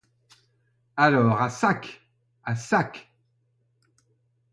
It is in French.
Alors à sac! à sac !